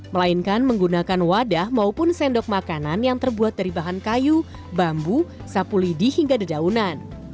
melainkan menggunakan wadah maupun sendok makanan yang terbuat dari bahan kayu bambu sapu lidi hingga dedaunan